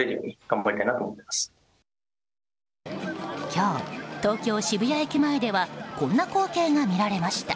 今日、東京・渋谷駅前ではこんな光景が見られました。